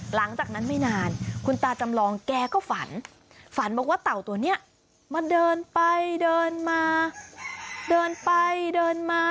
หลังจากนั้นไม่นานคุณตาจำลองแกก็ฝันฝันบอกว่าเต่าตัวนี้มาเดินไปเดินมาเดินไปเดินมา